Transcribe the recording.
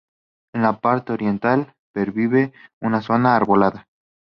En la parte oriental pervive una zona arbolada.